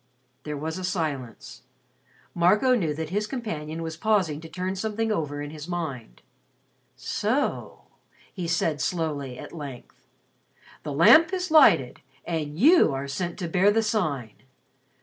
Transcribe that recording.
There was a silence. Marco knew that his companion was pausing to turn something over in his mind. "So o?" he said slowly, at length. "The Lamp is lighted. And you are sent to bear the Sign."